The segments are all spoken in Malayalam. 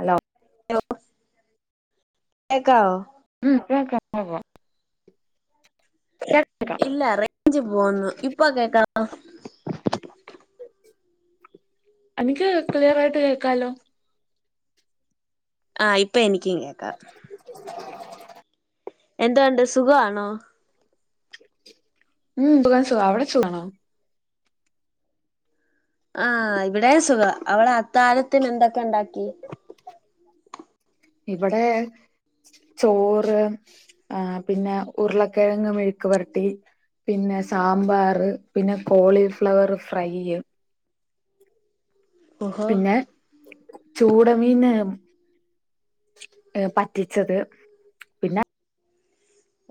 ഹലോ ഹലോ കേക്കവോ? ഉം കേക്കാം കേക്കാ. കേക്കാം ഇല്ല റേഞ്ച് പോവ്ന്നു ഇപ്പൊ കേക്കാവോ? എനിയ്ക്ക് ക്ലിയർ ആയിട്ട് കേക്കാലോ. ആഹ ഇപ്പ എനിക്കും കേക്കാം. [inaudible] എന്തൊണ്ട് സുഖണോ? ഉം സുഖ അവിടെ സുഖണോ? ആഹ് ഇവടെ സുഖ അവടെ അത്തായത്തിന് എന്തൊക്കെ ണ്ടാക്കി? ഇവടെ ചോറ് ആ പിന്നെ ഉരുളക്കിഴങ്ങ് മെഴുക്ക് പുരട്ടി. പിന്നെ സാമ്പാറ് പിന്നെ കോളിഫ്ലവർ ഫ്രൈ. ഓഹോ പിന്നെ ചൂടമീന്ന് ഏ പറ്റിച്ചത്. പിന്നെ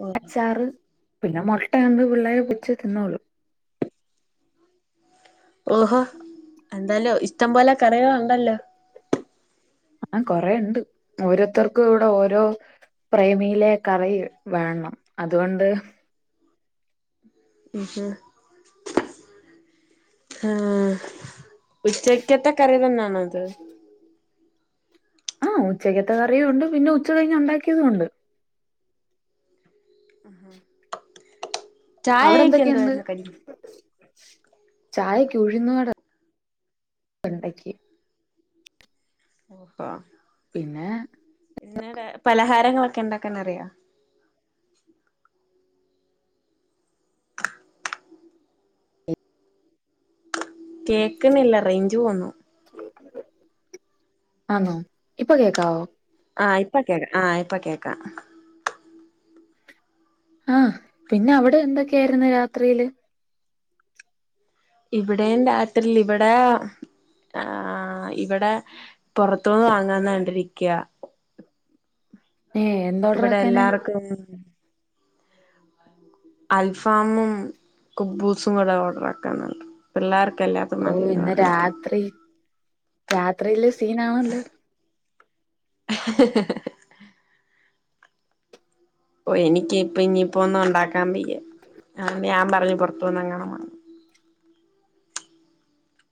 ഓഹ് അച്ചാറ് പിന്നെ മൊട്ട യൊണ്ട് പിള്ളേര് പൊര്ച്ച് തിന്നോളും. ഓഹോ എന്താലു ഇഷ്ടം പോലെ കറികൾ ഉണ്ടല്ലോ.? ആ കൊറെണ്ട് ഓരോരുത്തർക്കു ഇവടെ ഓരോ പ്രേമിയിലെ കറി വേണം അതുകൊണ്ട് [inaudible] ഹാ ഉച്ചക്കത്തെ കറി തന്നാണോ ഇത്.? ആ ഉച്ചക്കത്തെ കറിയും ഉണ്ട് പിന്നെ ഉച്ച കഴിഞ് ഒണ്ടാക്കിതുണ്ട്. [inaudible] അവിടെ ചായയൊക്കെ എന്തൊക്കെയുണ്ട്? എന്തുവായിരുന്നു കടി ചായക്ക് ഉഴുന്നടെ ഉണ്ടാക്കി. ആ പിന്നെ ഇട് പലഹാരങ്ങളൊക്കെ ഉണ്ടാക്കൻ അറിയാ? കേക്കിനല്ല റേഞ്ച് പോന്നു. ആണോ ഇപ്പൊ കേക്കാവോ? ആഹ ഇപ്പ കേൾക്കാം ആഹ ഇപ്പ കേക്കാം. ആഹ പിന്നെ അവിടെ എന്തൊക്കെയായിരുന്നു രാത്രിയില്? ഇവിടെ രാത്രല്ല ഇവിടെ ആ ഇവിടെ പുറത്തുനിന്ന് വാങ്ങാന്ന കണ്ടിരിക്കാ ഏ എന്ത് ഓർഡർ ഇവിടെ ആക്കാന് എല്ലാർക്കും. അൽഫാമും കുബ്ബൂസും കൂടെ ഓർഡർ ആക്കുന്നുണ്ട്. പിള്ളേർക്കല്ലാത്തും ഓ മതിന്ന് ഇന്ന് പറഞ്ഞി രാത്രി രാത്രിയിലെ [unintelligible] സീനാണല്ലോ ഹഹഹ ഓ എനിക്ക്പ്പ ഇനിയിപ്പോ ഒന്നും ഉണ്ടാക്കാൻ പയ്യ ഞാൻ പറഞ്ഞ് പുറത്തു വന്ന്ങ്ങണ [unintelligible]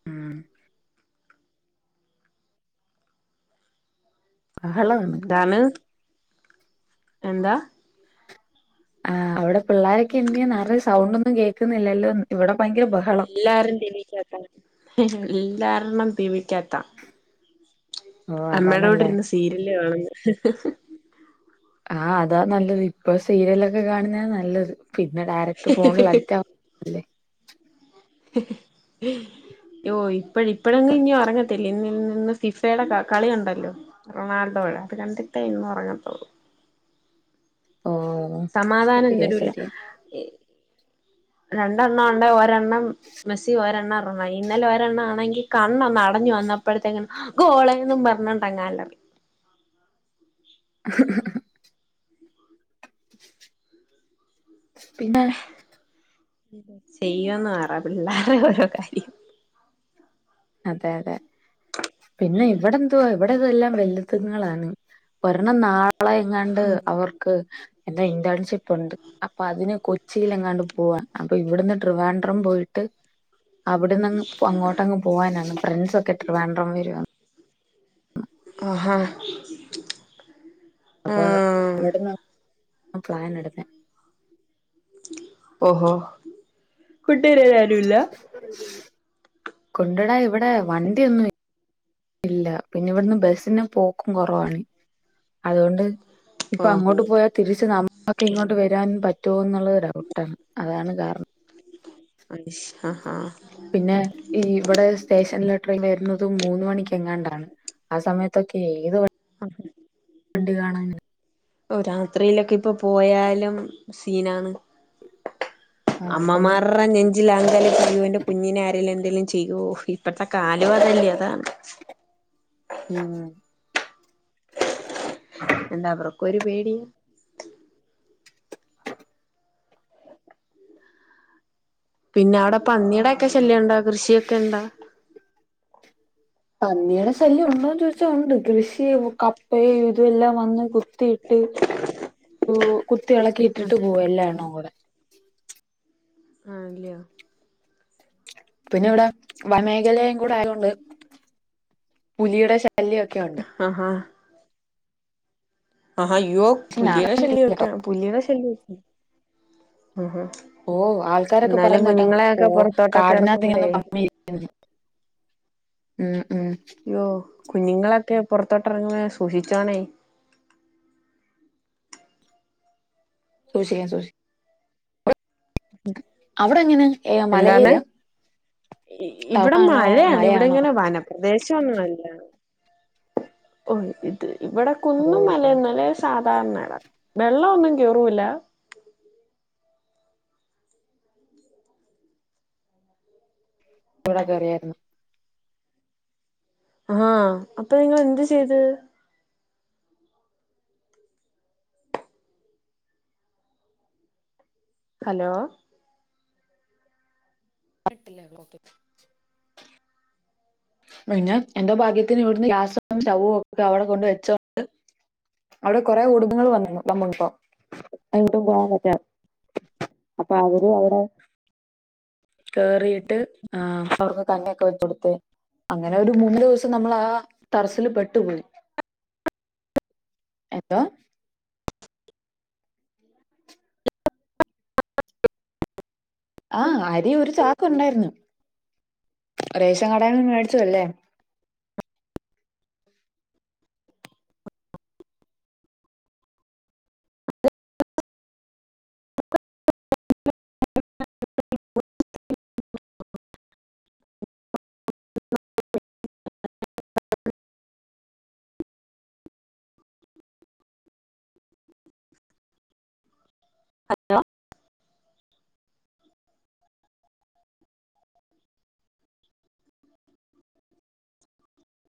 ഉം ബഹളമാണ് ന്താണ്? എന്താ? ആ അവിടെ പിള്ളോരൊക്കെ എന്തേയ്‌ നിറ സൗണ്ട് ഒന്നും കേൾക്കുന്നില്ലല്ലോ? ഇവിടെ ഭയങ്കര ബ എല്ലാരും ടീവിക്കകത്ത എല്ലാരും ടീവിക്കകത്ത ഓ അമ്മയുടെ കൂടെ അതാണല്ലേ ഇരുന്ന് സീരിയല് കാണാൻ ന്ന് ആഹ അതാ നല്ലത് ഇപ്പൊ സീരിയലൊക്കെ കാണുന്ന നല്ലത് പിന്നെ ഡയറക്ട [unintelligible] ഓ ഇപ്പഴ ഇപ്പഴൊകിലും ഇനി ഉറങ്ങത്തില്ല ഇന്ന നിന്ന് ഫിഫയുടെ ക കളിയുണ്ടല്ലോ റൊണാൾഡോടെ അത് കണ്ടിട്ടേ ഇന്നന്ന് ഉറങ്ങാത്തൂള്ളൂ ഓഹ് സമാധാനം തരുല്ല രണ്ടെണ്ണം ഉണ്ട് ഒരെണ്ണം മെസ്സി ഒരെണ്ണം റൊണാൾഡോ ഇന്നലെ ഒരെണ്ണ ആണെങ്കി കണ്ണണം അടഞ്ഞു വന്നപ്പോഴത്തേക്കും ഗോളൊന്നും പറഞ്ഞിണ്ടങ്ങാ [unintelligible] [unintelligible] പിന്നെ? ചെയ്യന്ന് പറ പിള്ളാരെ ഓരോ കാര്യം. അതെ അതെ പിന്നെ ഇവിടെ എതുവാ ഇവിടെതെല്ലാം വെല്ലുത്തങ്ങളാണ്. ഒരെണം നാളെ എങ്ങാണ്ട് അവർക്ക് എന്താ ഇന്ന്തൻസിപ്പുണ്ട്. അപ്പൊ അതിന് കൊച്ചിൽ എങ്ങാണ്ട് പോവാൻ അപ്പൊ ഇവിടുന്ന് ട്രിവാൻഡ്രം പോയിട്ട് അവിടെന്ന്ങ്ങ് അങ്ങോട്ടങ് പോവാനാണ് ഫ്രണ്ട്സ് ഒക്കെ ഡ്രിവേണ്ടം വരും. ആ അപ്പ ഇവിടെന്ന് പ്ലാൻ എടുത്ത ഓഹോ കുട്ടിക [unintelligible] ഇല്ല കൊണ്ടടാ ഇവിടെ വണ്ടിന്നും ഇല്ല പിന്നെ ഇവിടുന്ന് ബസിനെ പോക്കും കുറവാണ് അതുകൊണ്ട് ഇപ്പൊ ഓഹോ അങ്ങോട്ട് പോയാൽ തിരിച്ച് നമുക്ക് ഇങ്ങോട്ട് വരാൻ പറ്റുമ എന്നുള്ളത് ഔട്ടാണ് അതാണ് കാരണം. [unintelligible] അ ആഹ പിന്നെ ഈ ഇവിടെ സ്റ്റേഷനിലെട്രെയിൽ വരുന്നതും മൂന്ന് മണിക്ക് എങ്ങാണ്ടാണ്. ആ സമയത്തൊക്കെ ഏത് ആ വണ്ടി കാണാന് ഓ രാത്രിയിലൊക്കെ ഇപ്പൊ പോയാലും സീനാണ് ആ അതന്നെ അമ്മമാരുടെ നെ ഞ്ചിൽ അങ്കലാപ്പാണ് ഇയ്യോ എന്റെ കുഞ്ഞിനെ ആരേലും എന്തേലും ചെയ്യുമോ ഇപ്പത്തെ കാലം അതല്ലേ അതാണ് ഉം എന്താ അവർക്കും ഒരു പേടി പിന്നെ അവിടെ പന്നിയുടെ ഒക്കെ ശല്യം ഉണ്ടോ കൃഷിയൊക്കെ ഉണ്ടോ പന്നിയുടെ ശല്യം ഉണ്ടോന്ന് ചോദിച്ചാ ഉണ്ട് കൃഷി കപ്പയും ഇതും എല്ലാം വന്ന് കുത്തിയി ട്ട് കുത്തി ഇളക്കി ഇട്ടിട്ട് പോവും എല്ലാ എണ്ണവും കൂടെ ആണല്ലയോ പിന്നിവിടെ വന മേഖലയും കൂടെ ആയത് കൊണ്ട് പുലിയുടെ ശല്യവൊക്കെ ഉണ്ട് ആഹ് ആഹ് ആഹാ അയ്യോ പക്ഷെ ഞാൻ പുലിയുടെ കണ്ടിട്ടില്ല ട്ടോ ശല്ല്യവൊക്കെ പുലിയുടെ ശല്യവൊക്കെ ആ ആ ഓ ആൾക്കാരൊക്കെ പറയന്ന കേട്ടാ ഓ പുറത്തോട്ടൊക്കെ കാടിനകത്ത് ഇറക്കുമ്പോഴേ ഇങ്ങനെ പമ്മി ഇരി ക്കും ഉം ഉം അയ്യോ കുഞ്ഞുങ്ങളൊക്കെ പുറത്തോട്ടിറങ്ങുമ്പ സൂക്ഷിച്ചോണേ സൂക്ഷിക്കാം സൂക്ഷിക്കാം ഓക്കെ അവിടെ എങ്ങനെ ഏ മല ഏരിയായ ഇവിടെ മഴയാണ് ഇവിടെ മലയാണോ ഇങ്ങനെ വനം പ്രദേശവൊന്നും അല്ല ഓ ഇത് ഇവിടെ ഓ കുന്നും മലയെന്നല്ലേ സാധാരണ ഇടം വെള്ളം ഒന്നും കേറൂല്ല ഇവിടെ കേറിയായിരുന്നു ആഹ് അപ്പൊ നിങ്ങള് എന്ത്‌ ചെയ്ത് ഹലോ കിട്ടില്ലേ ക്ലോക്കെ പിന്നെ എന്റെ ഭാഗ്യത്തിന് ഇവിടുന്ന് ഗ്യാസും സ്റ്റവും ഒക്കെ അവിടെ കൊണ്ട് വെച്ചകൊണ്ട് അവിടെ കുറേ കുടുംബങ്ങൾ വന്നു വന്ന് കേട്ടോ അങ്ങോട്ടും പോകാൻ പറ്റ അപ്പൊ അവര് അവിടെ കേറിയിട്ട് ആ അവർക്ക് കല്ലൊക്കെ വച്ച് കൊടുത്ത് അങ്ങനെ ഒരു മൂന്ന് ദിവസം നമ്മള് ആ ടെറസ്സില് പെട്ടുപോയി ഇപ്പൊ ആഹ് അരി ഒരു ചാക്ക് ഉണ്ടായിരുന്നു റേഷൻ കടേന്ന് മേടിച്ചതല്ലേ അ അ ഹലോ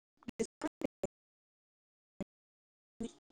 [unintelligible] ഉം